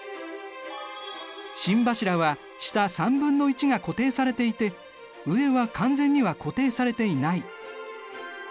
心柱は下３分の１が固定されていて上は完全には固定されていない。